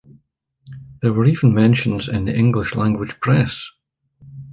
There were even mentions in the English-language press.